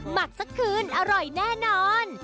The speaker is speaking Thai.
หมักสักคืนอร่อยแน่นอน